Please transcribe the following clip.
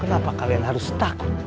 kenapa kalian harus takut